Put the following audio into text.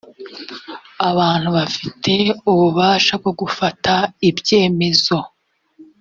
abantu bafite ububasha bwo gufata ibyemezo